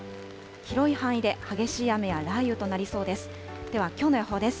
広い範囲で激しい雨や雷雨となりそうです。